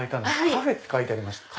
カフェって書いてありました。